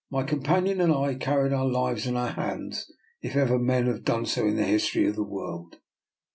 My companion and I carried our lives in our hands if ever men have done so in the history of the world.